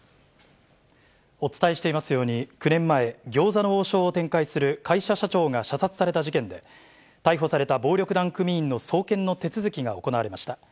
お伝えしていますように、９年前、餃子の王将を展開する会社社長が射殺された事件で、逮捕された暴力団組員の送検の手続きが行われました。